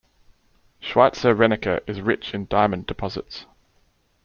Schweizer-Reneke is rich in diamond deposits.